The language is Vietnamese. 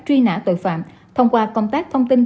truy nã tội phạm thông qua công tác thông tin